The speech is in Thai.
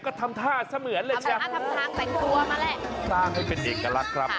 ก็ทำท่าเสมือนแหละใช่ไหมสร้างให้เป็นเอกลักษณ์ครับ